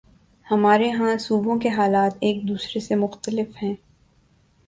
ہمارے ہاں صوبوں کے حالات ایک دوسرے سے مختلف ہیں۔